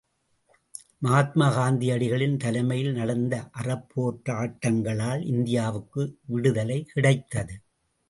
மகாத்மாக காந்தியடிகளின் தலைமையில் நடந்த அறப் போராட்டங்களால் இந்தியாவுக்கு விடுதலை கிடைத்தது.